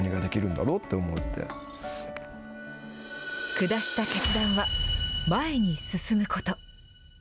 下した決断は、前に進むこと。